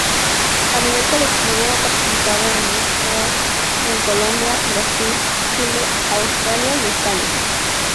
A nivel colectivo ha participado en muestras en Colombia, Brasil, Chile, Australia y España.